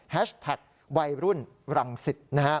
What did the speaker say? แฮชแท็กต์วัยรุ่นรังสิทธิ์